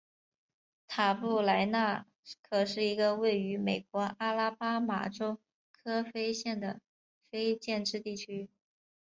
塔布莱纳可是一个位于美国阿拉巴马州科菲县的非建制地区。